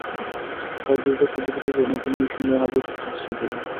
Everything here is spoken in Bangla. প্রায় দুই বছর বিরতি দিয়ে নতুন মিশন নিয়ে হাজির হচ্ছেন শ্রীদেবী।